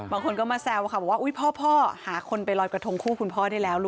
บางคนก็มาแซวว่าพ่อหาคนไปรอยกระทงคู่คุณพ่อได้แล้ว